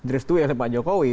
restu ya oleh pak jokowi